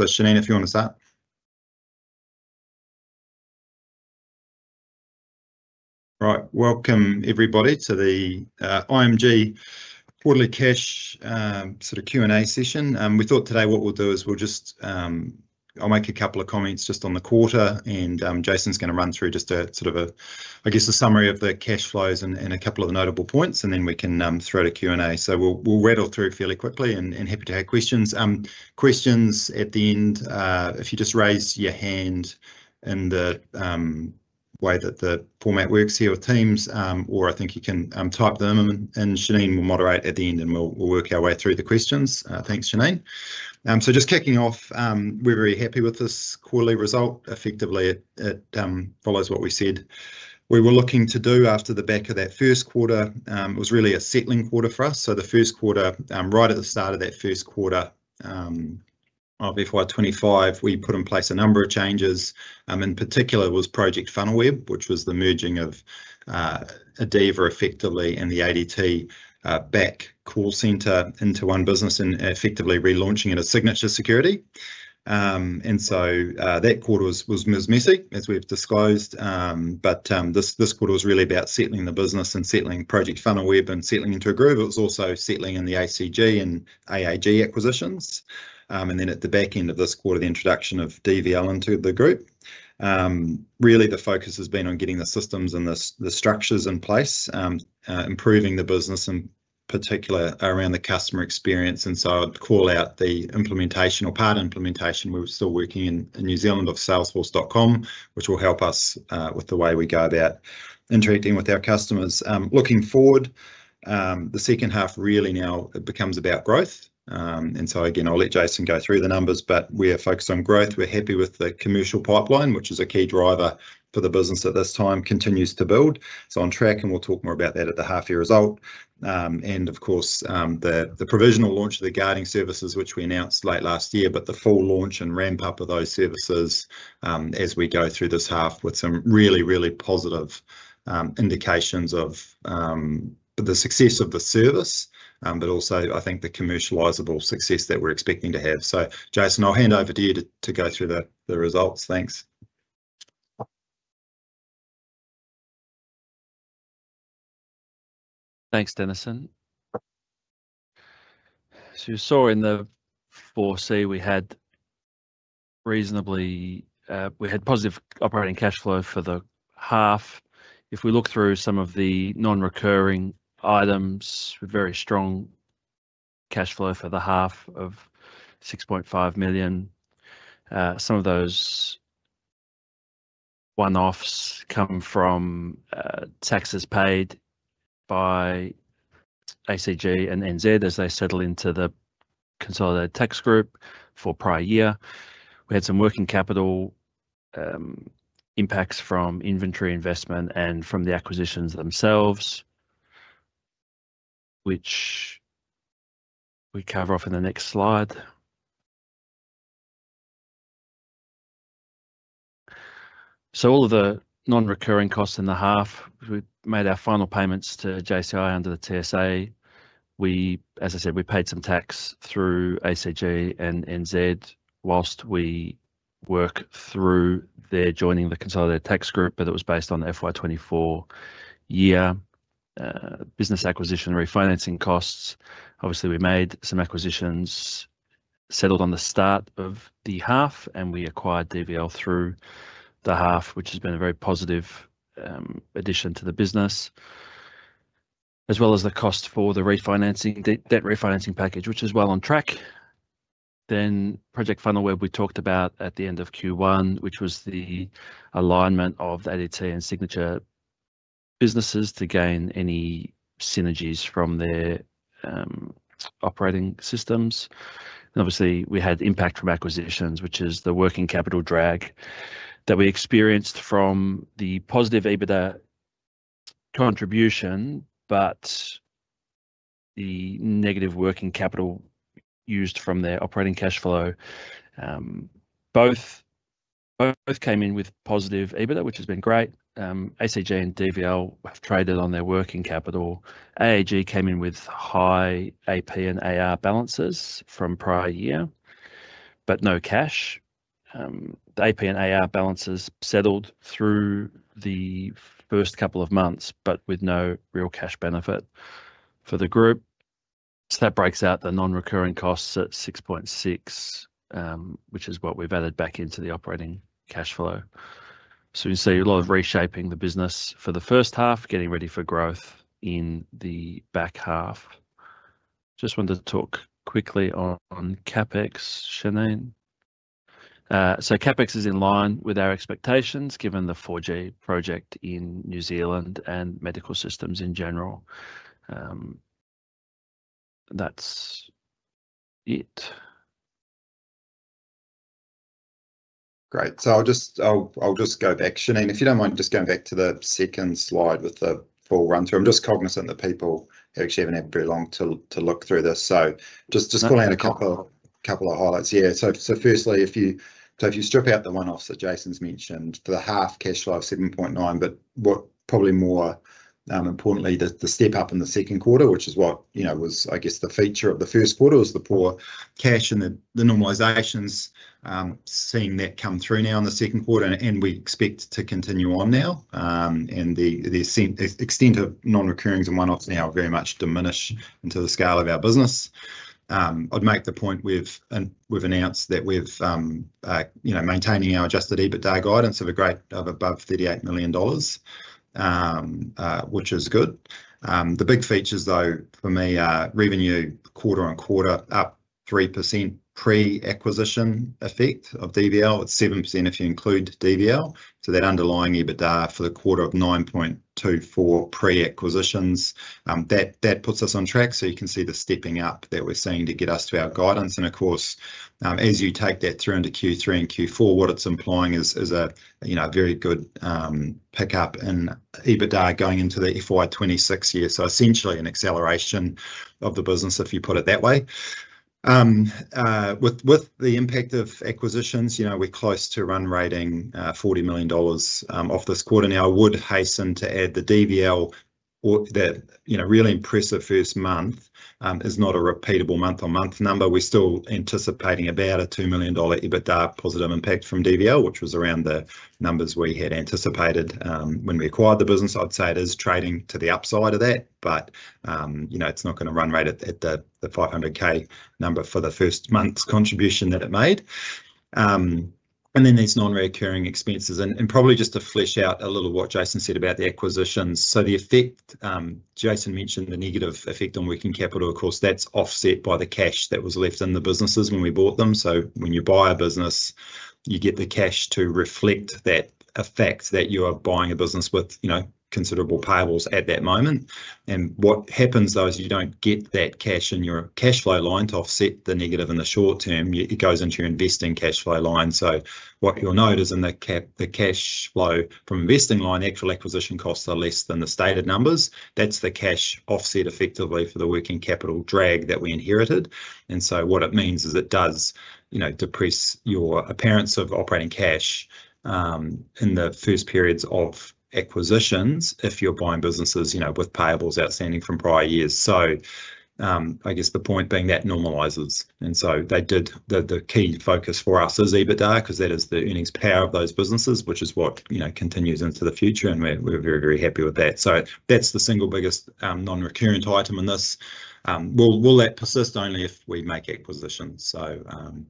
Shanine, if you want to start. Right, welcome everybody to the IMG Quarterly Cash sort of Q&A session. We thought today what we'll do is we'll just, I'll make a couple of comments just on the quarter, and Jason's going to run through just a sort of a, I guess, a summary of the cash flows and a couple of the notable points, and then we can throw to Q&A. We'll rattle through fairly quickly and happy to have questions. Questions at the end, if you just raise your hand in the way that the format works here with Teams, or I think you can type them, and Shanine will moderate at the end and we'll work our way through the questions. Thanks, Shanine. Just kicking off, we're very happy with this quarterly result. Effectively, it follows what we said we were looking to do on the back of that first quarter. It was really a settling quarter for us. So the first quarter, right at the start of that first quarter of FY25, we put in place a number of changes. In particular, it was Project Funnelweb, which was the merging of Adeva effectively and the ADT back-office call center into one business and effectively relaunching it as Signature Security. And so that quarter was a miss, as we've disclosed, but this quarter was really about settling the business and settling Project Funnelweb and settling into a group. It was also settling in the ACG and AAG acquisitions. And then at the back end of this quarter, the introduction of DVL into the group. Really, the focus has been on getting the systems and the structures in place, improving the business, in particular around the customer experience. And so I'd call out the implementation or part implementation. We're still working in New Zealand with Salesforce.com, which will help us with the way we go about interacting with our customers. Looking forward, the second half really now becomes about growth. And so again, I'll let Jason go through the numbers, but we're focused on growth. We're happy with the commercial pipeline, which is a key driver for the business at this time, continues to build. It's on track, and we'll talk more about that at the half-year result. And of course, the provisional launch of the guarding services, which we announced late last year, but the full launch and ramp-up of those services as we go through this half with some really, really positive indications of the success of the service, but also, I think, the commercializable success that we're expecting to have. So Jason, I'll hand over to you to go through the results. Thanks. Thanks, Dennison. So you saw in the 4C, we had reasonably positive operating cash flow for the half. If we look through some of the non-recurring items, very strong cash flow for the half of 6.5 million. Some of those one-offs come from taxes paid by ACG and NZ as they settle into the consolidated tax group for prior year. We had some working capital impacts from inventory investment and from the acquisitions themselves, which we cover off in the next slide. So all of the non-recurring costs in the half, we made our final payments to JCI under the TSA. As I said, we paid some tax through ACG and NZ while we work through their joining the consolidated tax group, but it was based on the FY24 year business acquisition refinancing costs. Obviously, we made some acquisitions settled on the start of the half, and we acquired DVL through the half, which has been a very positive addition to the business, as well as the cost for the refinancing, that refinancing package, which is well on track. Then Project Funnelweb, we talked about at the end of Q1, which was the alignment of the ADT and Signature businesses to gain any synergies from their operating systems, and obviously, we had impact from acquisitions, which is the working capital drag that we experienced from the positive EBITDA contribution, but the negative working capital used from their operating cash flow. Both came in with positive EBITDA, which has been great. ACG and DVL have traded on their working capital. AAG came in with high AP and AR balances from prior year, but no cash. The AP and AR balances settled through the first couple of months, but with no real cash benefit for the group. So that breaks out the non-recurring costs at 6.6, which is what we've added back into the operating cash flow. So you see a lot of reshaping the business for the first half, getting ready for growth in the back half. Just wanted to talk quickly on CapEx, Shanine. So CapEx is in line with our expectations given the 4G project in New Zealand and medical systems in general. That's it. Great. So I'll just go back. Shanine, if you don't mind just going back to the second slide with the full run-through. I'm just cognizant that people actually haven't had very long to look through this. So just calling out a couple of highlights. Yeah. So firstly, if you strip out the one-offs that Jason's mentioned, the half cash flow of 7.9, but what probably more importantly, the step up in the second quarter, which is what was, I guess, the feature of the first quarter, was the poor cash and the normalizations, seeing that come through now in the second quarter, and we expect to continue on now. And the extent of non-recurrings and one-offs now very much diminish into the scale of our business. I'd make the point we've announced that we're maintaining our adjusted EBITDA guidance of above 38 million dollars, which is good. The big features, though, for me, are revenue quarter on quarter up 3% pre-acquisition effect of DVL at 7% if you include DVL. So that underlying EBITDA for the quarter of 9.24 pre-acquisitions, that puts us on track. So you can see the stepping up that we're seeing to get us to our guidance. And of course, as you take that through into Q3 and Q4, what it's implying is a very good pickup in EBITDA going into the FY26 year. So essentially an acceleration of the business, if you put it that way. With the impact of acquisitions, we're close to run rate 40 million dollars off this quarter. Now, I would hasten to add the DVL, that really impressive first month, is not a repeatable month-on-month number. We're still anticipating about a 2 million dollar EBITDA positive impact from DVL, which was around the numbers we had anticipated when we acquired the business. I'd say it is trading to the upside of that, but it's not going to run rate at the 500K number for the first month's contribution that it made. And then these non-recurring expenses, and probably just to flesh out a little what Jason said about the acquisitions. So the effect, Jason mentioned the negative effect on working capital. Of course, that's offset by the cash that was left in the businesses when we bought them. So when you buy a business, you get the cash to reflect that effect that you are buying a business with considerable payables at that moment. And what happens, though, is you don't get that cash in your cash flow line to offset the negative in the short term. It goes into your investing cash flow line. So what you'll note is in the cash flow from investing line, actual acquisition costs are less than the stated numbers. That's the cash offset effectively for the working capital drag that we inherited. And so what it means is it does depress your appearance of operating cash in the first periods of acquisitions if you're buying businesses with payables outstanding from prior years. So I guess the point being that normalizes. And so the key focus for us is EBITDA because that is the earnings power of those businesses, which is what continues into the future, and we're very, very happy with that. So that's the single biggest non-recurrent item in this. We'll let it persist only if we make acquisitions. So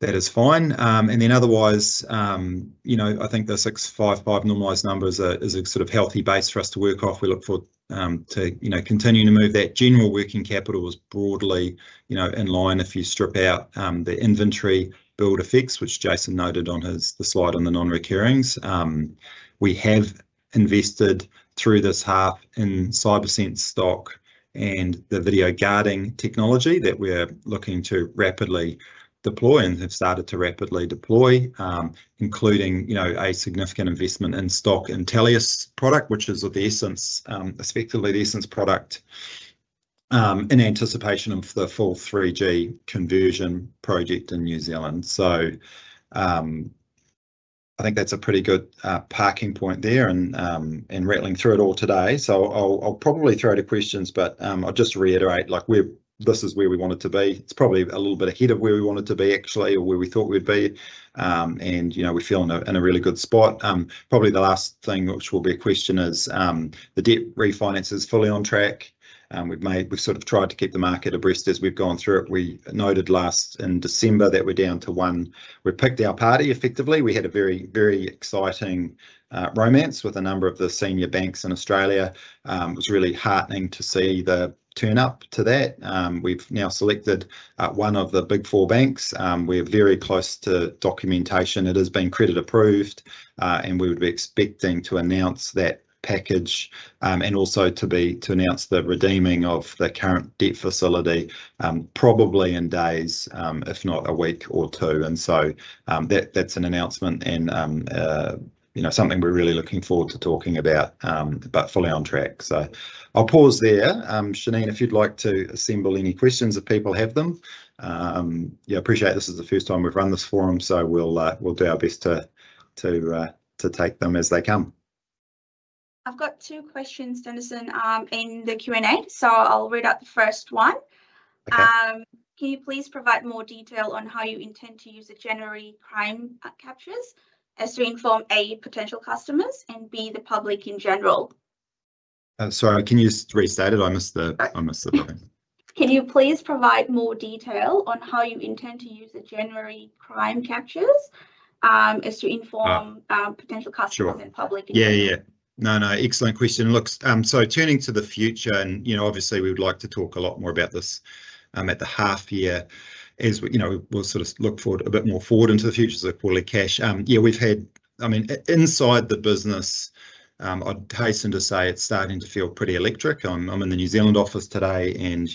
that is fine. And then otherwise, I think the 6.55 normalized number is a sort of healthy base for us to work off. We look forward to continuing to move that. General working capital is broadly in line if you strip out the inventory build effects, which Jason noted on the slide on the non-recurrings. We have invested through this half in CyberSense stock and the video guarding technology that we're looking to rapidly deploy and have started to rapidly deploy, including a significant investment in stock Intellius product, which is the Essence, effectively the Essence product in anticipation of the full 3G conversion project in New Zealand. So I think that's a pretty good parking point there and rattling through it all today. So I'll probably throw to questions, but I'll just reiterate, this is where we wanted to be. It's probably a little bit ahead of where we wanted to be, actually, or where we thought we'd be. And we feel in a really good spot. Probably the last thing which will be a question is the debt refinance is fully on track. We've sort of tried to keep the market abreast as we've gone through it. We noted last in December that we're down to one. We picked our party effectively. We had a very, very exciting romance with a number of the senior banks in Australia. It was really heartening to see the turnout to that. We've now selected one of the big four banks. We're very close to documentation. It has been credit approved, and we would be expecting to announce that package and also to announce the redeeming of the current debt facility probably in days, if not a week or two. And so that's an announcement and something we're really looking forward to talking about, but fully on track. So I'll pause there. Shanine, if you'd like to assemble any questions if people have them. I appreciate that this is the first time we've run this forum, so we'll do our best to take them as they come. I've got two questions, Dennison, in the Q&A, so I'll read out the first one. Can you please provide more detail on how you intend to use the January crime captures as to inform A, potential customers, and B, the public in general? Sorry, can you restate it? I missed the point. Can you please provide more detail on how you intend to use the January crime captures as to inform potential customers and public in general? Yeah, yeah. No, no. Excellent question. So, turning to the future, and obviously, we would like to talk a lot more about this at the half year as we'll sort of look a bit more forward into the future as it's probably cash. Yeah, we've had, I mean, inside the business, I'd hasten to say it's starting to feel pretty electric. I'm in the New Zealand office today, and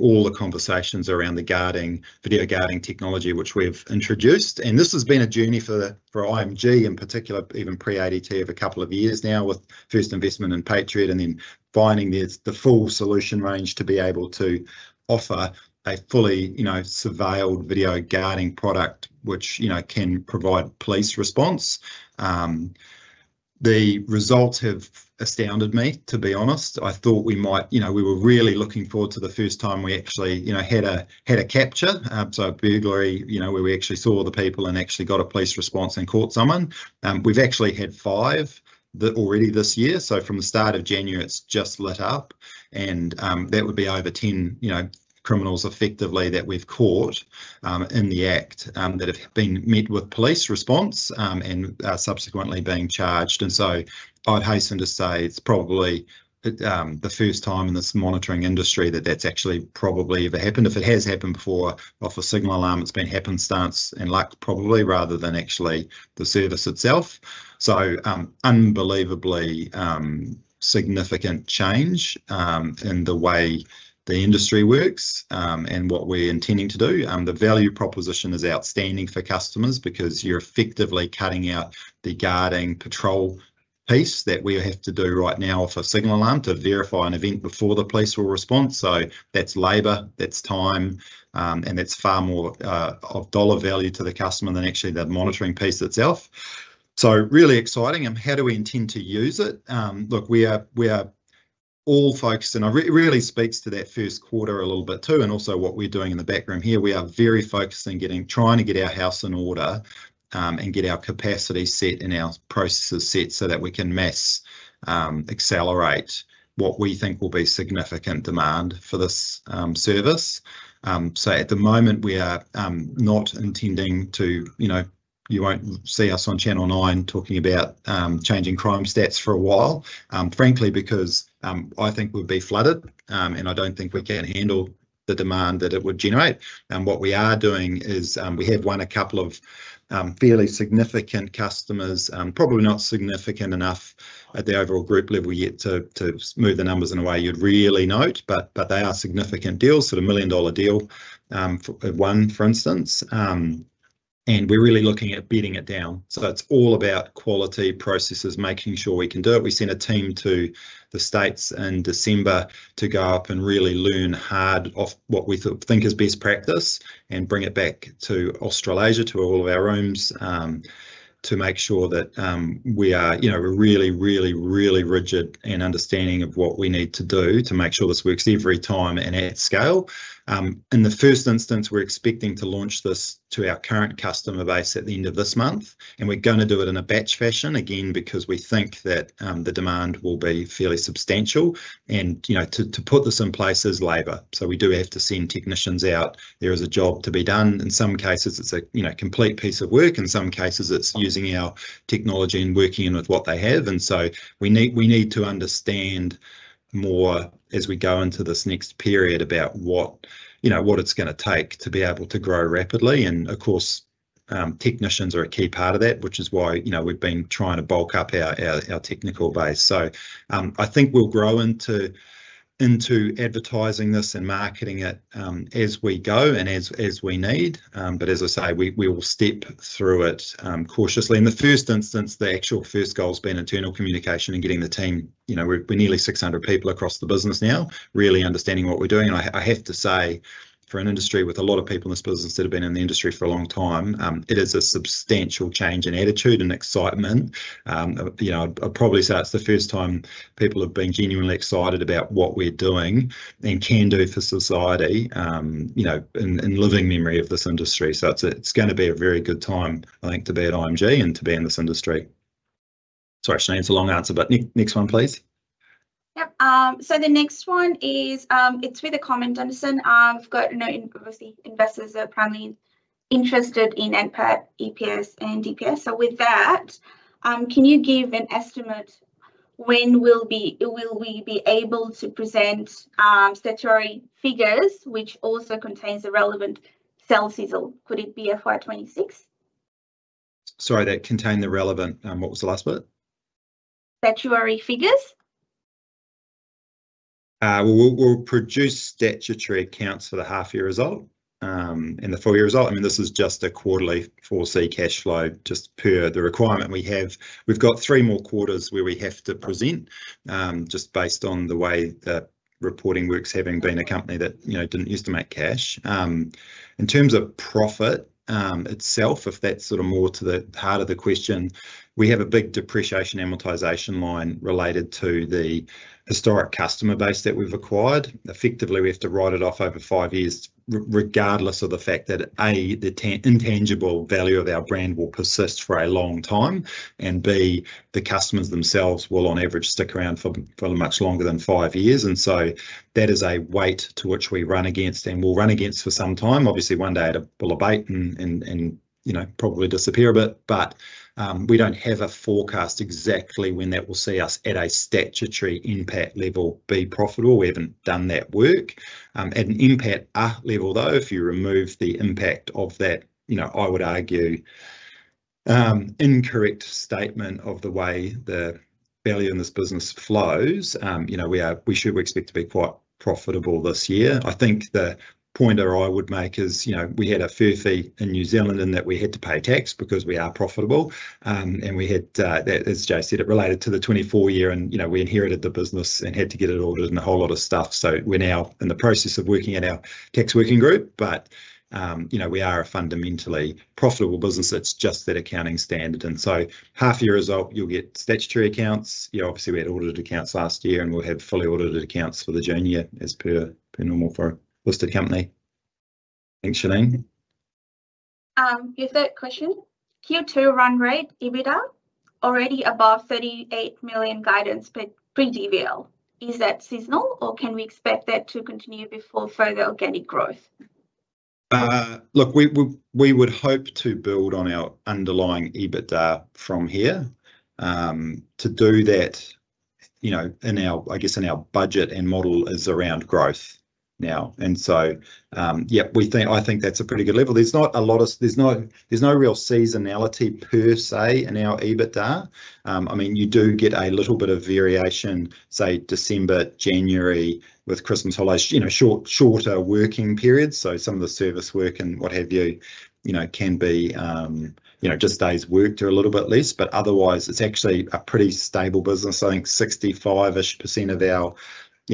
all the conversations around the video guarding technology, which we've introduced. And this has been a journey for IMG in particular, even pre-ADT of a couple of years now with first investment in Patriot and then finding the full solution range to be able to offer a fully surveilled video guarding product, which can provide police response. The results have astounded me, to be honest. I thought we might. We were really looking forward to the first time we actually had a capture. So, burglary, where we actually saw the people and actually got a police response and caught someone. We've actually had five already this year. So from the start of January, it's just lit up. And that would be over 10 criminals effectively that we've caught in the act that have been met with police response and subsequently being charged. And so I'd hasten to say it's probably the first time in this monitoring industry that that's actually probably ever happened. If it has happened before, off a signal alarm, it's been happenstance and luck probably rather than actually the service itself. So unbelievably significant change in the way the industry works and what we're intending to do. The value proposition is outstanding for customers because you're effectively cutting out the guarding patrol piece that we have to do right now off a signal alarm to verify an event before the police will respond, so that's labor, that's time, and that's far more of dollar value to the customer than actually the monitoring piece itself, so really exciting, and how do we intend to use it? Look, we are all focused, and it really speaks to that first quarter a little bit too, and also what we're doing in the background here. We are very focused on trying to get our house in order and get our capacity set and our processes set so that we can mass accelerate what we think will be significant demand for this service. At the moment, we are not intending to, you won't see us on Channel 9 talking about changing crime stats for a while, frankly, because I think we'd be flooded, and I don't think we can handle the demand that it would generate. What we are doing is we have won a couple of fairly significant customers, probably not significant enough at the overall group level yet to move the numbers in a way you'd really note, but they are significant deals, sort of 1 million dollar deal for one, for instance. We're really looking at beating it down. It's all about quality processes, making sure we can do it. We sent a team to the States in December to go up and really learn hard off what we think is best practice and bring it back to Australasia, to all of our rooms, to make sure that we are really, really, really rigid and understanding of what we need to do to make sure this works every time and at scale. In the first instance, we're expecting to launch this to our current customer base at the end of this month, and we're going to do it in a batch fashion, again, because we think that the demand will be fairly substantial. And to put this in place is labor. So we do have to send technicians out. There is a job to be done. In some cases, it's a complete piece of work. In some cases, it's using our technology and working in with what they have. And so we need to understand more as we go into this next period about what it's going to take to be able to grow rapidly. And of course, technicians are a key part of that, which is why we've been trying to bulk up our technical base. So I think we'll grow into advertising this and marketing it as we go and as we need. But as I say, we will step through it cautiously. In the first instance, the actual first goal has been internal communication and getting the team. We're nearly 600 people across the business now, really understanding what we're doing. I have to say, for an industry with a lot of people in this business that have been in the industry for a long time, it is a substantial change in attitude and excitement. I'd probably say it's the first time people have been genuinely excited about what we're doing and can do for society in living memory of this industry. So it's going to be a very good time, I think, to be at IMG and to be in this industry. Sorry, Shanine, it's a long answer, but next one, please. Yep. So the next one is it's with a comment, Dennison. We've got investors that are primarily interested in NPAT, EPS, and DPS. So with that, can you give an estimate when we'll be able to present statutory figures, which also contains the relevant sales figures? Could it be FY26? Sorry, that contained the relevant what was the last word? Statutory figures? We'll produce statutory accounts for the half-year result and the full-year result. I mean, this is just a quarterly 4C cash flow just per the requirement we have. We've got three more quarters where we have to present just based on the way that reporting works, having been a company that didn't use to make cash. In terms of profit itself, if that's sort of more to the heart of the question, we have a big depreciation and amortization line related to the historic customer base that we've acquired. Effectively, we have to write it off over five years, regardless of the fact that, A, the intangible value of our brand will persist for a long time, and B, the customers themselves will, on average, stick around for much longer than five years, and so that is a headwind against which we run and will run for some time. Obviously, one day it will abate and probably disappear a bit, but we don't have a forecast exactly when that will see us at a statutory impact level be profitable. We haven't done that work. At an impact level, though, if you remove the impact of that, I would argue, incorrect statement of the way the value in this business flows, we should expect to be quite profitable this year. I think the point I would make is we had an FY in New Zealand in that we had to pay tax because we are profitable. And we had, as Jay said, it related to the FY24, and we inherited the business and had to get it ordered and a whole lot of stuff. So we're now in the process of working with our tax working group, but we are a fundamentally profitable business. It's just that accounting standard. And so, half-year result, you'll get statutory accounts. Obviously, we had audited accounts last year, and we'll have fully audited accounts for the half-year as per normal for a listed company. Thanks, Shanine. Is that question? Q2 run rate, EBITDA, already above 38 million guidance per DVL. Is that seasonal, or can we expect that to continue before further organic growth? Look, we would hope to build on our underlying EBITDA from here. To do that, I guess in our budget and model is around growth now. And so, yeah, I think that's a pretty good level. There's no real seasonality per se in our EBITDA. I mean, you do get a little bit of variation, say, December, January with Christmas holidays, shorter working periods. So some of the service work and what have you can be just days worked are a little bit less. But otherwise, it's actually a pretty stable business. I think 65-ish% of our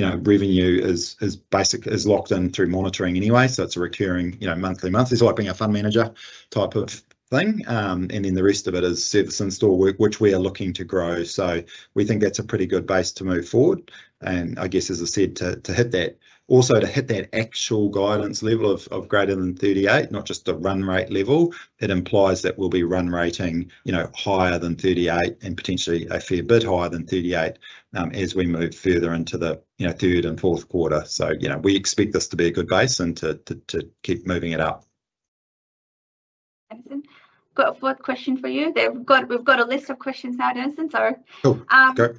revenue is locked in through monitoring anyway. So it's a recurring monthly month. It's like being a fund manager type of thing. And then the rest of it is service and store work, which we are looking to grow. So we think that's a pretty good base to move forward. And I guess, as I said, to hit that, also to hit that actual guidance level of greater than 38, not just the run rate level, it implies that we'll be run rating higher than 38 and potentially a fair bit higher than 38 as we move further into the third and fourth quarter. So we expect this to be a good base and to keep moving it up. Dennison? Got a quick question for you. We've got a list of questions now, Dennison. Sorry. Sure. Go.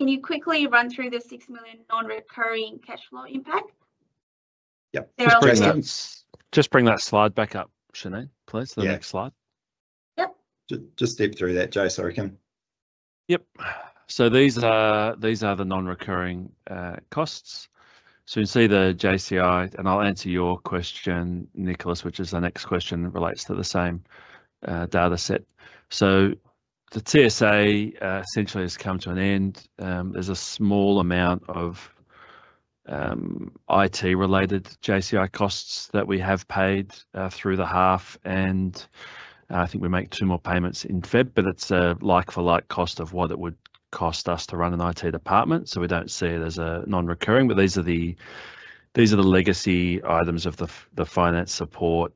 Can you quickly run through the six million non-recurring cash flow impact? Yep. Just bring that slide back up, Shanine, please. The next slide. Yep. Just step through that, Jay, sorry, Kim. Yep. So these are the non-recurring costs. So you can see the JCI, and I'll answer your question, Nicholas, which is the next question that relates to the same data set. So the TSA essentially has come to an end. There's a small amount of IT-related JCI costs that we have paid through the half. And I think we make two more payments in February, but it's a like-for-like cost of what it would cost us to run an IT department. So we don't see it as a non-recurring. But these are the legacy items of the finance support,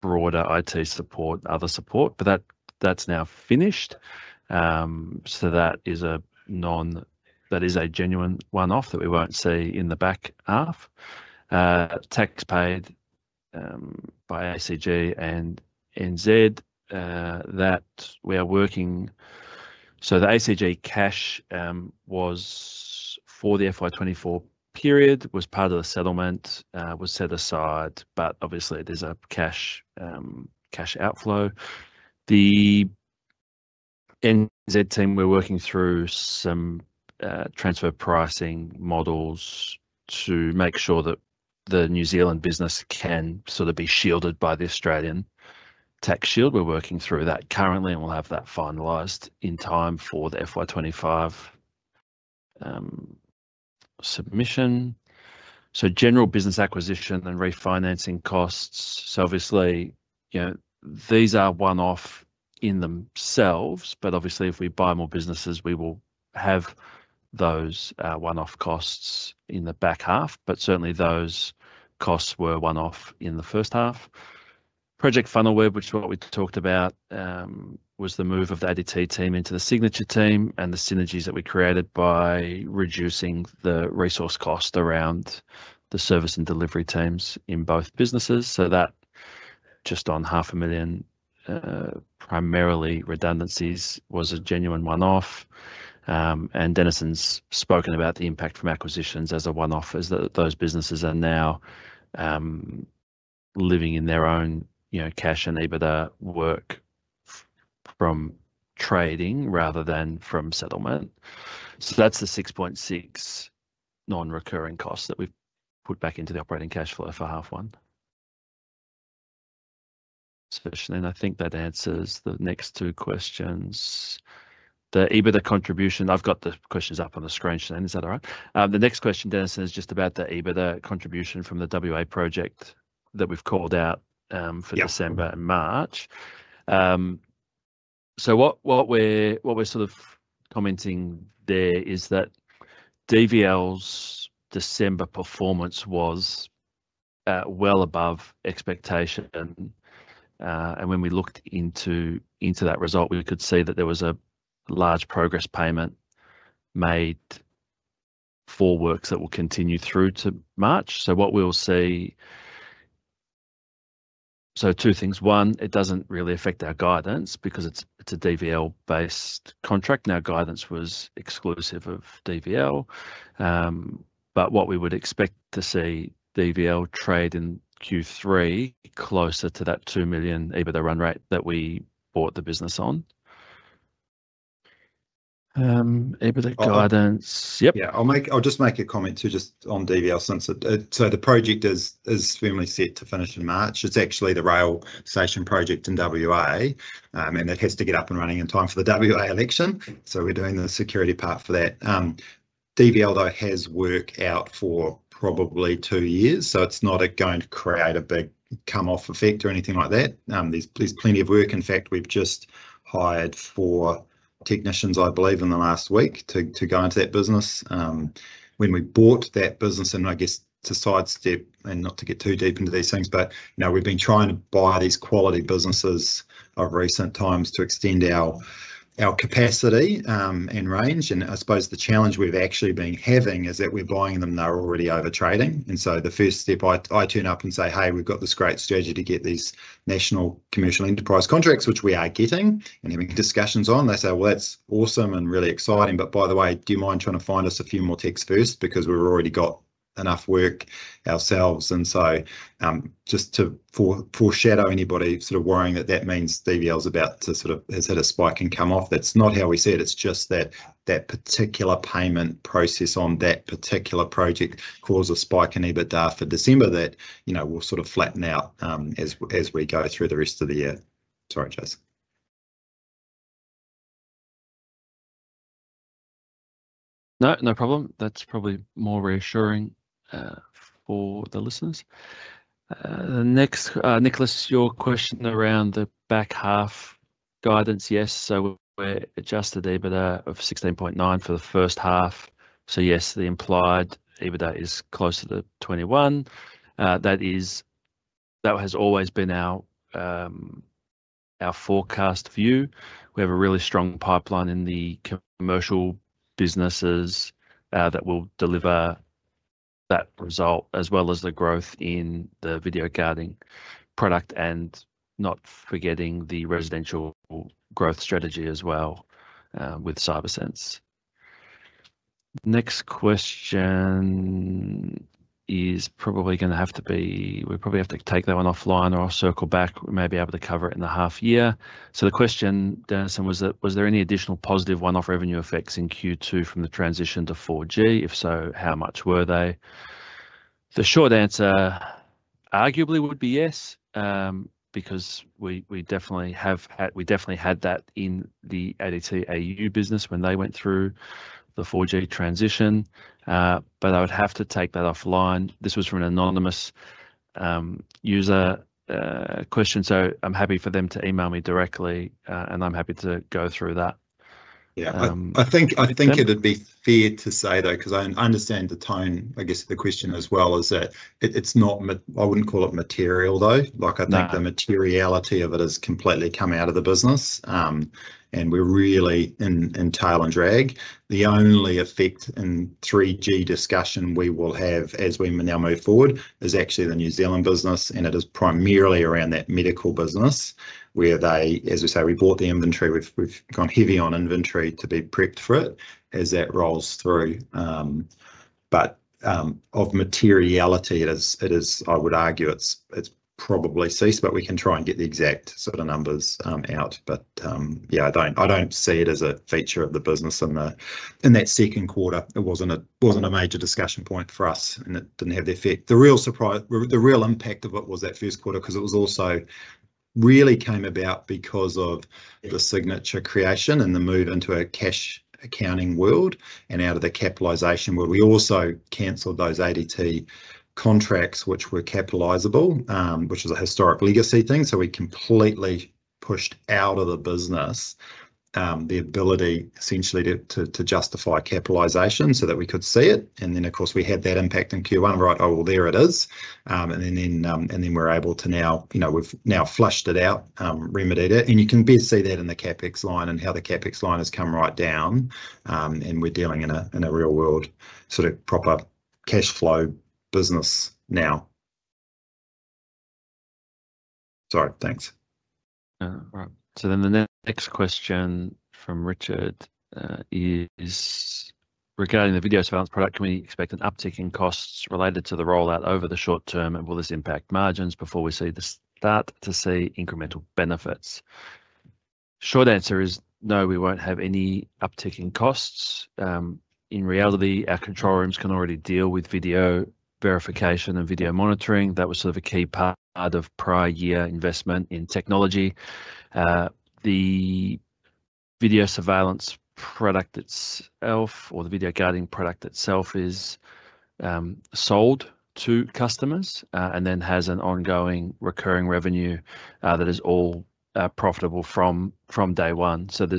broader IT support, other support. But that's now finished. So that is a genuine one-off that we won't see in the back half. Tax paid by ACG and NZ. That we are working. So the ACG cash was for the FY24 period, was part of the settlement, was set aside. But obviously, there's a cash outflow. The NZ team, we're working through some transfer pricing models to make sure that the New Zealand business can sort of be shielded by the Australian tax shield. We're working through that currently, and we'll have that finalized in time for the FY25 submission. So general business acquisition and refinancing costs. So obviously, these are one-off in themselves. But obviously, if we buy more businesses, we will have those one-off costs in the back half. But certainly, those costs were one-off in the first half. Project Funnelweb, which is what we talked about, was the move of the ADT team into the Signature team and the synergies that we created by reducing the resource cost around the service and delivery teams in both businesses. So that just on 500,000, primarily redundancies, was a genuine one-off. Dennison's spoken about the impact from acquisitions as a one-off, as those businesses are now living in their own cash and EBITDA work from trading rather than from settlement. So that's the 6.6 non-recurring costs that we've put back into the operating cash flow for half one. And I think that answers the next two questions. The EBITDA contribution, I've got the questions up on the screen, Shanine. Is that all right? The next question, Dennison, is just about the EBITDA contribution from the WA project that we've called out for December and March. So what we're sort of commenting there is that DVL's December performance was well above expectation. And when we looked into that result, we could see that there was a large progress payment made for works that will continue through to March. So what we'll see so two things. One, it doesn't really affect our guidance because it's a DVL-based contract. Now, guidance was exclusive of DVL. But what we would expect to see DVL trade in Q3 closer to that 2 million EBITDA run rate that we bought the business on. EBITDA guidance. Yep. Yeah. I'll just make a comment too just on DVL since it's so the project is firmly set to finish in March. It's actually the rail station project in WA, and it has to get up and running in time for the WA election. So we're doing the security part for that. DVL, though, has worked out for probably two years. So it's not going to create a big come-off effect or anything like that. There's plenty of work. In fact, we've just hired four technicians, I believe, in the last week to go into that business. When we bought that business, and I guess to sidestep and not to get too deep into these things, but we've been trying to buy these quality businesses of recent times to extend our capacity and range. I suppose the challenge we've actually been having is that we're buying them that are already overtrading. So the first step, I turn up and say, "Hey, we've got this great strategy to get these national commercial enterprise contracts," which we are getting and having discussions on. They say, "Well, that's awesome and really exciting. But by the way, do you mind trying to find us a few more techs first?" Because we've already got enough work ourselves. So just to foreshadow anybody sort of worrying that that means DVL's about to sort of has had a spike in come-off, that's not how we said it. It's just that that particular payment process on that particular project caused a spike in EBITDA for December that will sort of flatten out as we go through the rest of the year. Sorry, Jason. No, no problem. That's probably more reassuring for the listeners. Nicholas, your question around the back half guidance, yes. So we're adjusted EBITDA of 16.9 for the first half. So yes, the implied EBITDA is close to the 21. That has always been our forecast view. We have a really strong pipeline in the commercial businesses that will deliver that result as well as the growth in the video guarding product and not forgetting the residential growth strategy as well with CyberSense. Next question is probably going to have to be we probably have to take that one offline or circle back. We may be able to cover it in the half year. So the question, Dennison, was there any additional positive one-off revenue effects in Q2 from the transition to 4G? If so, how much were they? The short answer arguably would be yes because we definitely had that in the ADT AU business when they went through the 4G transition. But I would have to take that offline. This was from an anonymous user question. So I'm happy for them to email me directly, and I'm happy to go through that. Yeah. I think it'd be fair to say, though, because I understand the tone, I guess, of the question as well is that it's not. I wouldn't call it material, though. I think the materiality of it has completely come out of the business, and we're really in tail and drag. The only effect in 3G discussion we will have as we now move forward is actually the New Zealand business, and it is primarily around that medical business where they, as we say, we bought the inventory. We've gone heavy on inventory to be prepped for it as that rolls through. But of materiality, it is, I would argue, it's probably ceased, but we can try and get the exact sort of numbers out. But yeah, I don't see it as a feature of the business in that second quarter. It wasn't a major discussion point for us, and it didn't have the effect. The real impact of it was that first quarter because it was also really came about because of the signature creation and the move into a cash accounting world and out of the capitalization where we also canceled those ADT contracts which were capitalizable, which is a historic legacy thing, so we completely pushed out of the business the ability essentially to justify capitalization so that we could see it, and then, of course, we had that impact in Q1, right? Oh, well, there it is. And then we're able to now we've flushed it out, remedied it, and you can best see that in the CapEx line and how the CapEx line has come right down, and we're dealing in a real-world sort of proper cash flow business now. Sorry. Thanks. All right. So then the next question from Richard is regarding the video surveillance product. Can we expect an uptick in costs related to the rollout over the short term, and will this impact margins before we start to see incremental benefits? Short answer is no, we won't have any uptick in costs. In reality, our control rooms can already deal with video verification and video monitoring. That was sort of a key part of prior year investment in technology. The video surveillance product itself, or the video guarding product itself, is sold to customers and then has an ongoing recurring revenue that is all profitable from day one. So there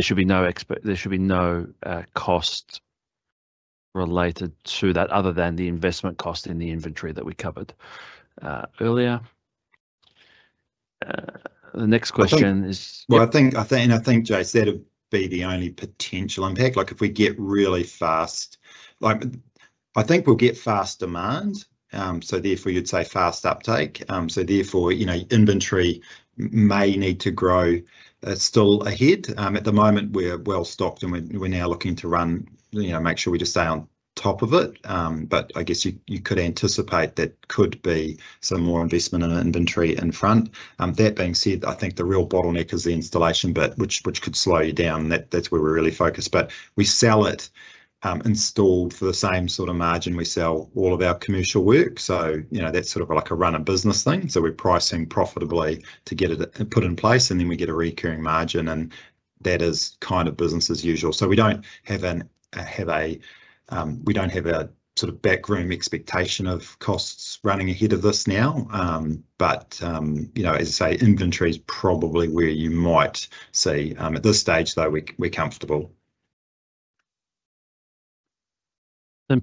should be no impact. There should be no cost related to that other than the investment cost in the inventory that we covered earlier. The next question is. Well, and I think Jay said it'd be the only potential impact. If we get really fast, I think we'll get fast demand. So therefore, you'd say fast uptake. So therefore, inventory may need to grow still ahead. At the moment, we're well stocked, and we're now looking to make sure we just stay on top of it. But I guess you could anticipate that could be some more investment in inventory in front. That being said, I think the real bottleneck is the installation bit, which could slow you down. That's where we're really focused. But we sell it installed for the same sort of margin we sell all of our commercial work. So that's sort of like a run-of-business thing. So we're pricing profitably to get it put in place, and then we get a recurring margin, and that is kind of business as usual. We don't have a sort of backroom expectation of costs running ahead of this now. But as I say, inventory is probably where you might see. At this stage, though, we're comfortable.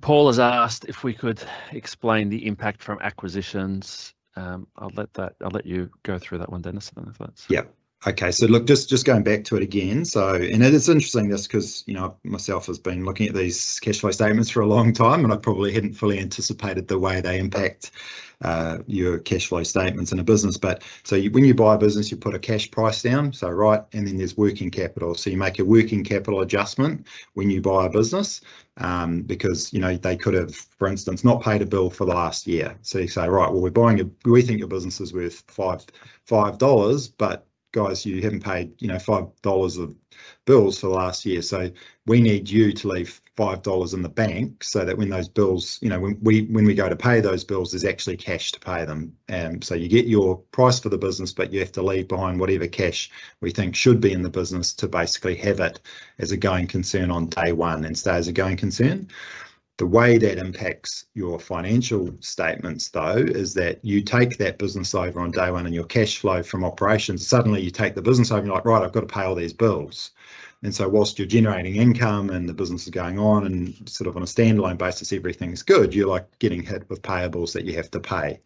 Paul has asked if we could explain the impact from acquisitions. I'll let you go through that one, Dennison, if that's. Yeah. Okay. So look, just going back to it again. And it's interesting this because myself have been looking at these cash flow statements for a long time, and I probably hadn't fully anticipated the way they impact your cash flow statements in a business. So when you buy a business, you put a cash price down, right? And then there's working capital. So you make a working capital adjustment when you buy a business because they could have, for instance, not paid a bill for the last year. So you say, "Right, well, we think your business is worth 5 dollars, but guys, you haven't paid 5 dollars of bills for the last year. We need you to leave 5 dollars in the bank so that when we go to pay those bills, there's actually cash to pay them. So you get your price for the business, but you have to leave behind whatever cash we think should be in the business to basically have it as a going concern on day one and stay as a going concern. The way that impacts your financial statements, though, is that you take that business over on day one and your cash flow from operations, suddenly you take the business over and you're like, "Right, I've got to pay all these bills." And so while you're generating income and the business is going on and sort of on a standalone basis, everything's good, you're getting hit with payables that you have to pay.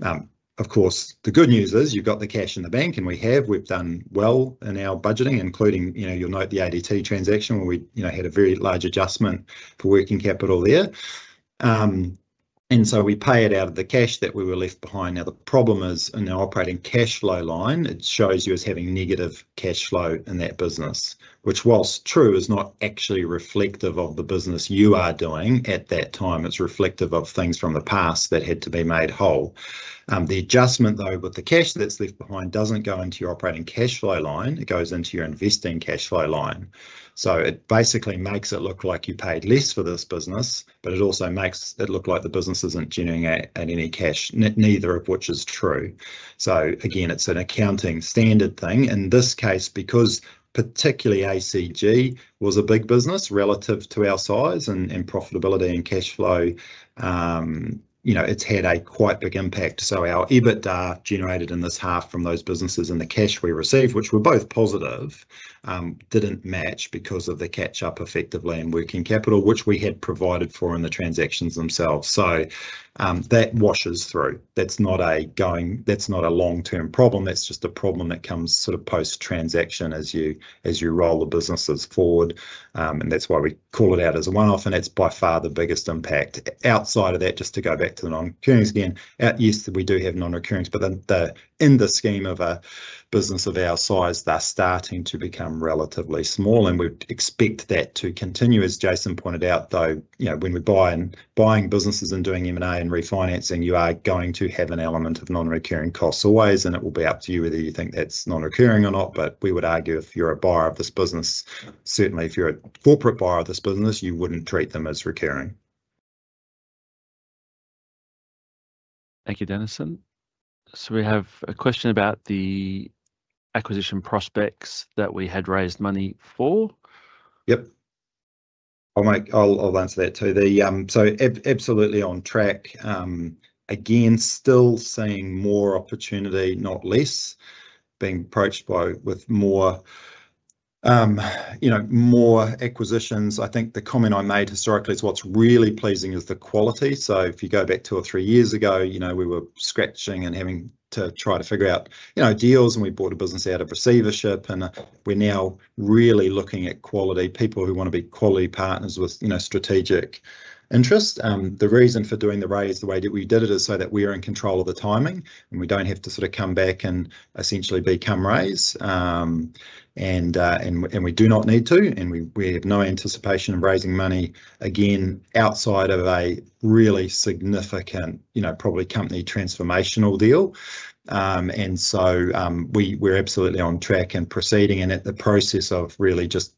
Of course, the good news is you've got the cash in the bank, and we have. We've done well in our budgeting, including you'll note the ADT transaction where we had a very large adjustment for working capital there. And so we pay it out of the cash that we were left behind. Now, the problem is in the operating cash flow line, it shows you as having negative cash flow in that business, which while true is not actually reflective of the business you are doing at that time, it's reflective of things from the past that had to be made whole. The adjustment, though, with the cash that's left behind doesn't go into your operating cash flow line. It goes into your investing cash flow line. So it basically makes it look like you paid less for this business, but it also makes it look like the business isn't generating out any cash, neither of which is true. So again, it's an accounting standard thing. In this case, because particularly ACG was a big business relative to our size and profitability and cash flow, it's had a quite big impact. So our EBITDA generated in this half from those businesses and the cash we received, which were both positive, didn't match because of the catch-up effectively in working capital, which we had provided for in the transactions themselves. So that washes through. That's not a long-term problem. That's just a problem that comes sort of post-transaction as you roll the businesses forward. And that's why we call it out as a one-off, and it's by far the biggest impact. Outside of that, just to go back to the non-recurrings again, yes, we do have non-recurrings, but in the scheme of a business of our size, they're starting to become relatively small, and we expect that to continue. As Jason pointed out, though, when we're buying businesses and doing M&A and refinancing, you are going to have an element of non-recurring costs always, and it will be up to you whether you think that's non-recurring or not. But we would argue if you're a buyer of this business, certainly if you're a corporate buyer of this business, you wouldn't treat them as recurring. Thank you, Dennison. So we have a question about the acquisition prospects that we had raised money for. Yep. I'll answer that too, so absolutely on track. Again, still seeing more opportunity, not less, being approached with more acquisitions. I think the comment I made historically is what's really pleasing is the quality, so if you go back two or three years ago, we were scratching and having to try to figure out deals, and we bought a business out of receivership, and we're now really looking at quality people who want to be quality partners with strategic interest. The reason for doing the raise the way that we did it is so that we're in control of the timing, and we don't have to sort of come back and essentially become raisers, and we do not need to, and we have no anticipation of raising money again outside of a really significant, probably company transformational deal. And so we're absolutely on track and proceeding and at the process of really just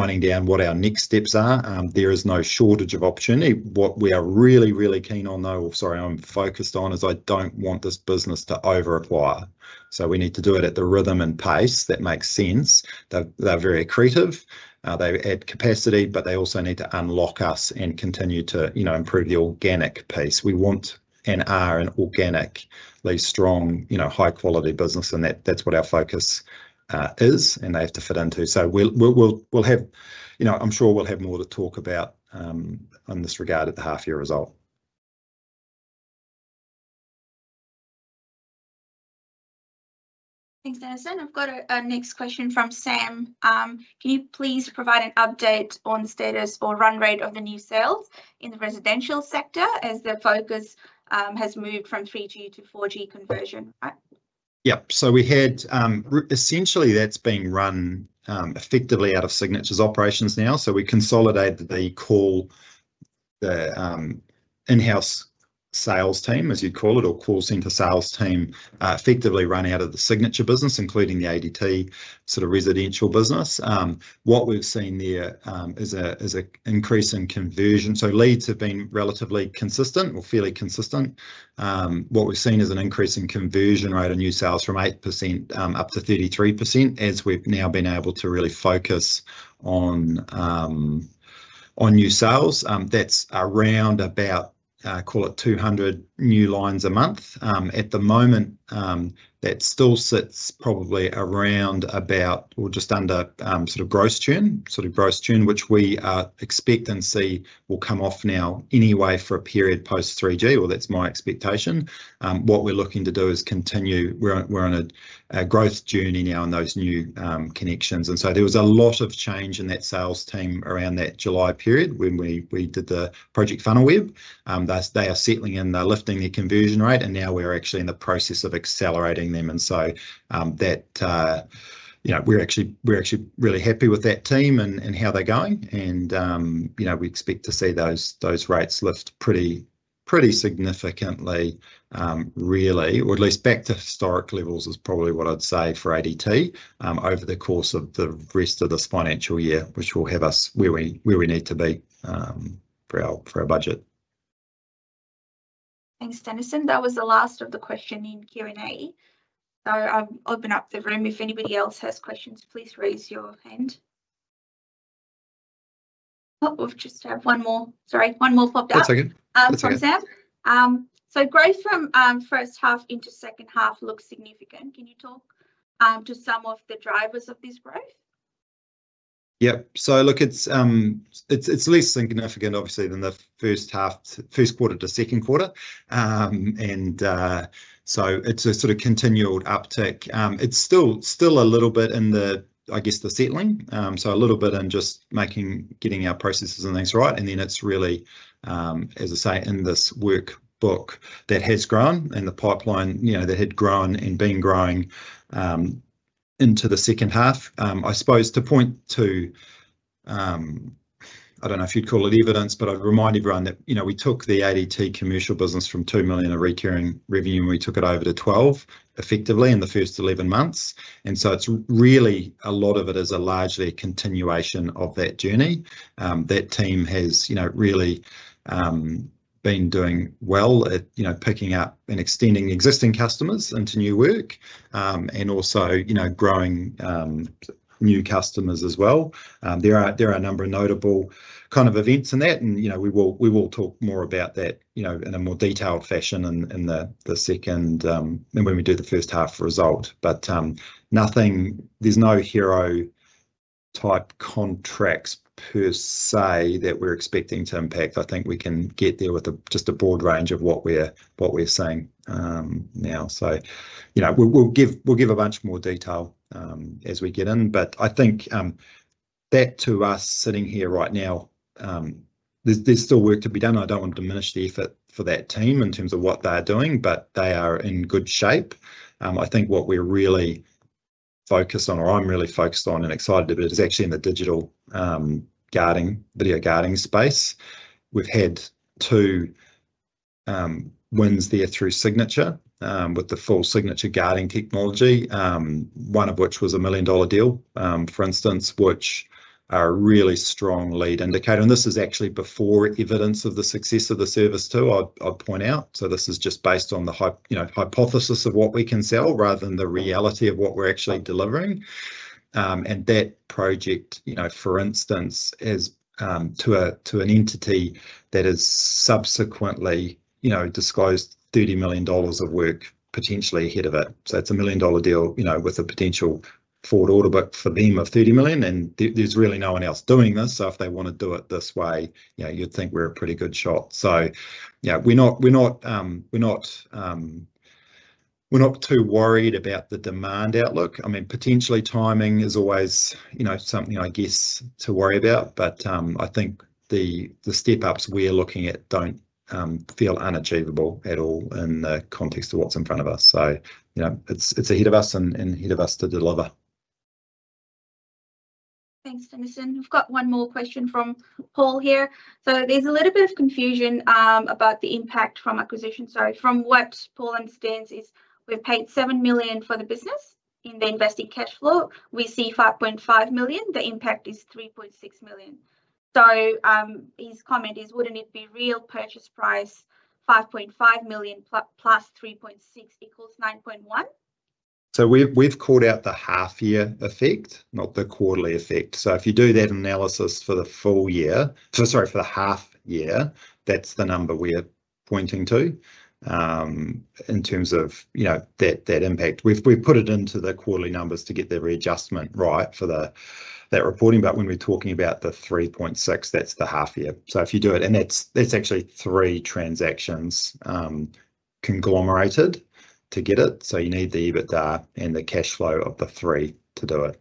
nailing down what our next steps are. There is no shortage of opportunity. What we are really, really keen on, though, or sorry, I'm focused on, is I don't want this business to overacquire. So we need to do it at the rhythm and pace that makes sense. They're very accretive. They add capacity, but they also need to unlock us and continue to improve the organic piece. We want and are an organic, strong, high-quality business, and that's what our focus is, and they have to fit into. So we'll have, I'm sure, more to talk about in this regard at the half-year result. Thanks, Dennison. We've got a next question from Sam. Can you please provide an update on status or run rate of the new sales in the residential sector as the focus has moved from 3G to 4G conversion, right? Yep. So we had essentially that's being run effectively out of Signature's operations now. So we consolidated the in-house sales team, as you'd call it, or call center sales team, effectively run out of the Signature business, including the ADT sort of residential business. What we've seen there is an increase in conversion. So leads have been relatively consistent or fairly consistent. What we've seen is an increase in conversion rate in new sales from 8% up to 33% as we've now been able to really focus on new sales. That's around about, call it 200 new lines a month. At the moment, that still sits probably around about or just under sort of gross churn, which we expect and see will come off now anyway for a period post-3G, or that's my expectation. What we're looking to do is continue. We're on a growth journey now in those new connections. And so there was a lot of change in that sales team around that July period when we did the Project Funnelweb. They are settling in. They're lifting their conversion rate, and now we're actually in the process of accelerating them. And so we're actually really happy with that team and how they're going. And we expect to see those rates lift pretty significantly, really, or at least back to historic levels is probably what I'd say for ADT over the course of the rest of this financial year, which will have us where we need to be for our budget. Thanks, Dennison. That was the last of the question in Q&A. So I'll open up the room. If anybody else has questions, please raise your hand. Oh, we've just had one more. Sorry, one more popped up. One second. That's okay. So growth from first half into second half looks significant. Can you talk to some of the drivers of this growth? Yep. So look, it's less significant, obviously, than the first quarter to second quarter. And so it's a sort of continual uptick. It's still a little bit in the, I guess, the settling. So a little bit in just getting our processes and things right. And then it's really, as I say, in this workbook that has grown and the pipeline that had grown and been growing into the second half, I suppose, to point to I don't know if you'd call it evidence, but I'd remind everyone that we took the ADT commercial business from 2 million of recurring revenue, and we took it over to 12 million effectively in the first 11 months. And so it's really a lot of it is a largely continuation of that journey. That team has really been doing well, picking up and extending existing customers into new work and also growing new customers as well. There are a number of notable kind of events in that, and we will talk more about that in a more detailed fashion in the second and when we do the first half result. But there's no hero-type contracts per se that we're expecting to impact. I think we can get there with just a broad range of what we're seeing now. So we'll give a bunch more detail as we get in. But I think that to us sitting here right now, there's still work to be done. I don't want to diminish the effort for that team in terms of what they're doing, but they are in good shape. I think what we're really focused on, or I'm really focused on and excited about, is actually in the digital video guarding space. We've had two wins there through Signature with the full Signature guarding technology, one of which was a million-dollar deal, for instance, which are a really strong lead indicator. And this is actually before evidence of the success of the service too, I'd point out. So this is just based on the hypothesis of what we can sell rather than the reality of what we're actually delivering. And that project, for instance, is to an entity that has subsequently disclosed 30 million dollars of work potentially ahead of it. So it's a million-dollar deal with a potential forward order book for them of 30 million, and there's really no one else doing this. So if they want to do it this way, you'd think we're a pretty good shot. So we're not too worried about the demand outlook. I mean, potentially timing is always something, I guess, to worry about, but I think the step-ups we're looking at don't feel unachievable at all in the context of what's in front of us. So it's ahead of us and ahead of us to deliver. Thanks, Dennison. We've got one more question from Paul here. So there's a little bit of confusion about the impact from acquisition. So from what Paul understands is we've paid 7 million for the business in the investing cash flow. We see 5.5 million. The impact is 3.6 million. So his comment is, wouldn't it be real purchase price 5.5 million plus 3.6 equals 9.1? So we've called out the half-year effect, not the quarterly effect. So if you do that analysis for the full year sorry, for the half-year, that's the number we're pointing to in terms of that impact. We've put it into the quarterly numbers to get the readjustment right for that reporting. But when we're talking about the 3.6, that's the half-year. So if you do it and that's actually three transactions conglomerated to get it. So you need the EBITDA and the cash flow of the three to do it.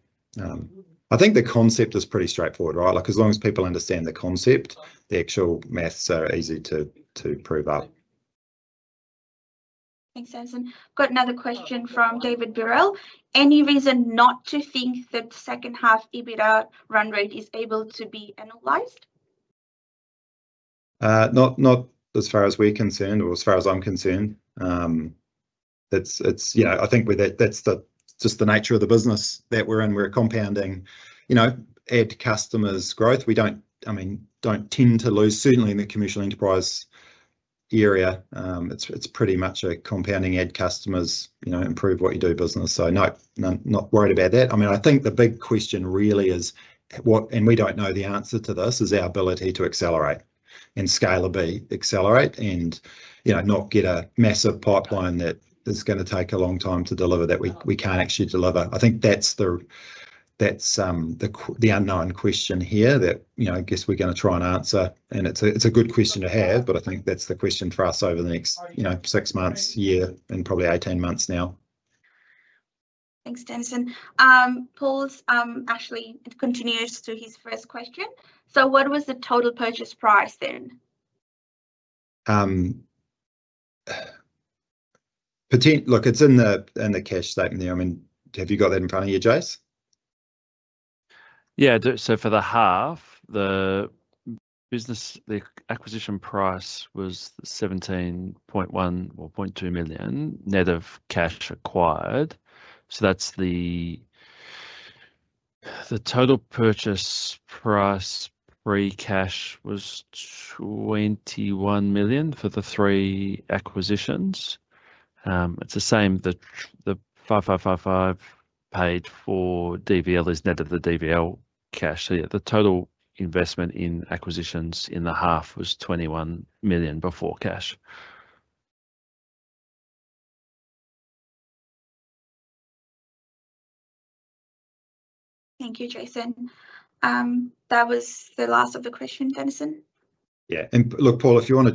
I think the concept is pretty straightforward, right? As long as people understand the concept, the actual math is easy to prove up. Thanks, Dennison. We've got another question from David Burrell. Any reason not to think that the second half EBITDA run rate is able to be analyzed? Not as far as we're concerned or as far as I'm concerned. I think that's just the nature of the business that we're in. We're compounding add customers growth. We don't tend to lose, certainly in the commercial enterprise area. It's pretty much a compounding add customers, improve what you do business. So no, not worried about that. I mean, I think the big question really is, and we don't know the answer to this, is our ability to accelerate and scalably accelerate and not get a massive pipeline that is going to take a long time to deliver that we can't actually deliver. I think that's the unknown question here that I guess we're going to try and answer. And it's a good question to have, but I think that's the question for us over the next six months, year, and probably 18 months now. Thanks, Dennison. Paul's actually continued to his first question. So what was the total purchase price then? Look, it's in the cash statement there. I mean, have you got that in front of you, Jason? Yeah. So for the half, the acquisition price was 17.1 or 17.2 million net of cash acquired. So the total purchase price pre-cash was 21 million for the three acquisitions. It's the same. The 5.55 million paid for DVL is net of the DVL cash. The total investment in acquisitions in the half was 21 million before cash. Thank you, Jason. That was the last of the questions, Dennison. Yeah. And look, Paul, if you want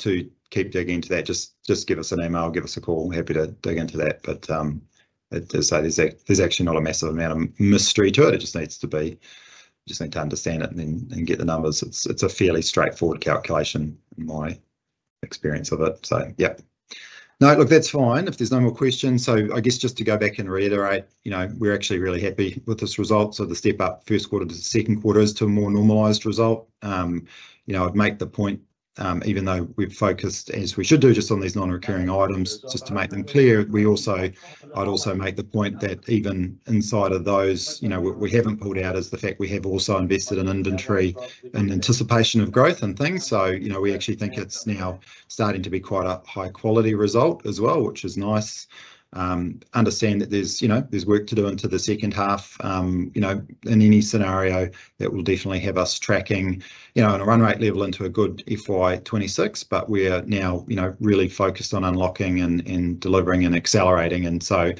to keep digging into that, just give us an email. Give us a call. Happy to dig into that. But as I say, there's actually not a massive amount of mystery to it. You just need to understand it and get the numbers. It's a fairly straightforward calculation in my experience of it. So yep. No, look, that's fine if there's no more questions. So I guess just to go back and reiterate, we're actually really happy with this result. So the step-up first quarter to second quarter is to a more normalized result. I'd make the point, even though we've focused, as we should do, just on these non-recurring items, just to make them clear. I'd also make the point that even inside of those, what we haven't pulled out is the fact we have also invested in inventory in anticipation of growth and things. So we actually think it's now starting to be quite a high-quality result as well, which is nice. Understand that there's work to do into the second half. In any scenario, that will definitely have us tracking on a run rate level into a good FY26, but we're now really focused on unlocking and delivering and accelerating. And so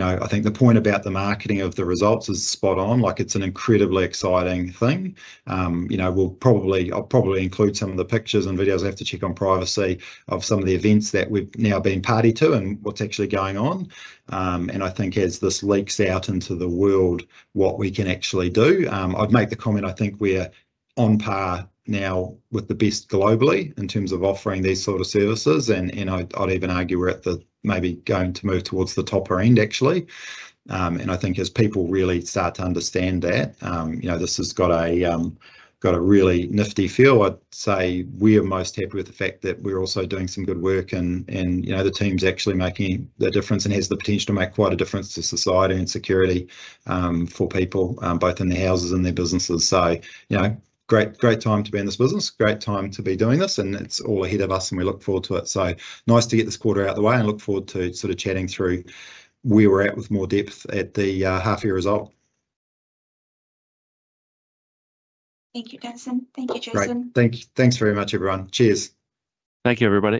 I think the point about the marketing of the results is spot on. It's an incredibly exciting thing. I'll probably include some of the pictures and videos. I have to check on privacy of some of the events that we've now been party to and what's actually going on. I think as this leaks out into the world, what we can actually do. I'd make the comment I think we're on par now with the best globally in terms of offering these sort of services. I'd even argue we're at the maybe going to move towards the top end, actually. I think as people really start to understand that, this has got a really nifty feel. I'd say we are most happy with the fact that we're also doing some good work, and the team's actually making the difference and has the potential to make quite a difference to society and security for people, both in their houses and their businesses. It's a great time to be in this business, a great time to be doing this, and it's all ahead of us, and we look forward to it. So nice to get this quarter out of the way and look forward to sort of chatting through where we're at with more depth at the half-year result. Thank you, Dennison. Thank you, Jason. Great. Thanks very much, everyone. Cheers. Thank you, everybody.